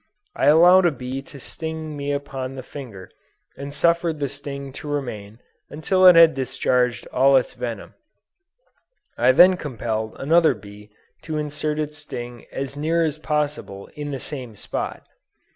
I allowed a bee to sting me upon the finger and suffered the sting to remain until it had discharged all its venom. I then compelled another bee to insert its sting as near as possible in the same spot.